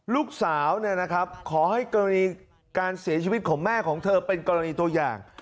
ลูกสาวขอให้กรณีการเสียชีวิตของแม่ของเธอเป็นกรณีตัวอย่าง